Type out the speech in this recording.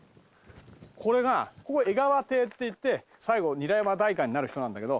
これがここ江川邸っていって最後韮山代官になる人なんだけど。